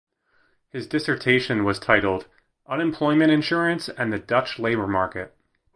His dissertation was titled "Unemployment insurance and the Dutch labour market".